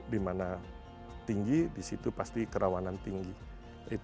di mana tinggi di situ pasti kerawanan tinggi